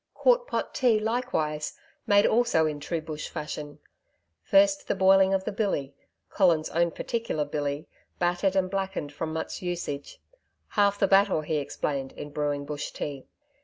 Quart pot tea, likewise made also in true bush fashion. First the boiling of the billy Colin's own particular billy, battered and blackened from much usage half the battle, he explained, in brewing bush tea.